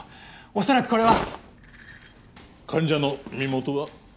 恐らくこれは患者の身元は？